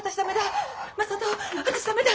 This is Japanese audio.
私ダメだ。